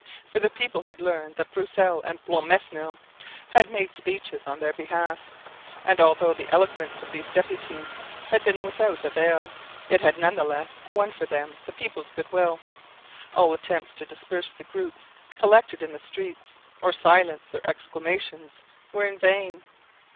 For the people had learned that Broussel and Blancmesnil had made speeches in their behalf, and, although the eloquence of these deputies had been without avail, it had none the less won for them the people's good will. All attempts to disperse the groups collected in the streets, or silence their exclamations, were in vain.